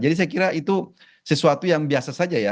jadi saya kira itu sesuatu yang biasa saja ya